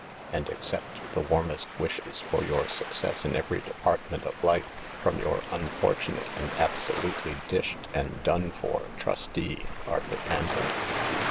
" And accept the warmest wishes for your success in every department of life, from your unfortunate and absolutely dished and done for trustee, "Arthur Panton."